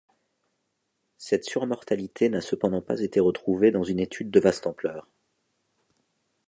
Cette surmortalité n'a cependant pas été retrouvée dans une étude de vaste ampleur.